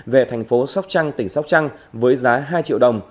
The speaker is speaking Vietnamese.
về thành phố sóc trăng tỉnh sóc trăng với giá hai triệu đồng